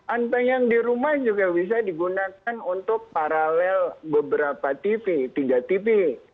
unpay yang di rumah juga bisa digunakan untuk paralel beberapa tv tiga tv